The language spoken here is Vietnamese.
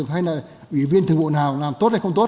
hay là ủy viên thường vụ nào làm tốt hay không tốt